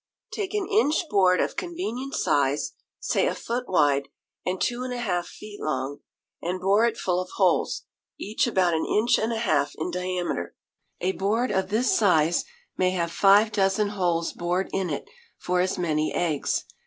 Take an inch board of convenient size, say a foot wide, and two and a half feet long, and bore it full of holes, each about an inch and a half in diameter; a board of this size may have five dozen holes bored in it, for as many eggs.